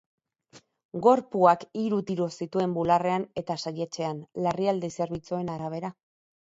Gorpuak hiru tiro zituen bularrean eta saihetsean, larrialdi zerbitzuen arabera.